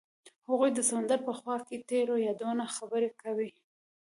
هغوی د سمندر په خوا کې تیرو یادونو خبرې کړې.